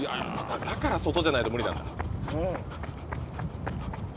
だから外じゃないと無理なんだ。